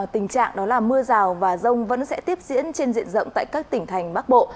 tình trạng đó là mưa rào và rông vẫn sẽ tiếp diễn trên diện rộng tại các tỉnh thành bắc bộ